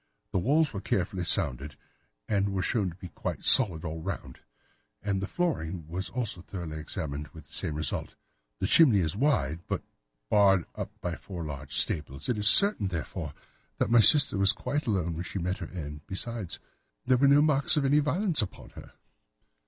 The walls were carefully sounded, and were shown to be quite solid all round, and the flooring was also thoroughly examined, with the same result. The chimney is wide, but is barred up by four large staples. It is certain, therefore, that my sister was quite alone when she met her end. Besides, there were no marks of any violence upon her."